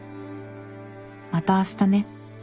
『また明日ね』